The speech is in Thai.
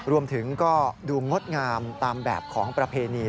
รวมถึงก็ดูงดงามตามแบบของประเพณี